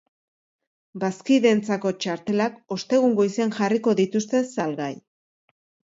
Bazkideentzako txartelak ostegun goizean jarriko dituzte salgai.